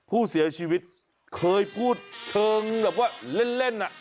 ผู้เสียชีวิตเคยพูดเชิงแบบว่าเล่นอ่ะ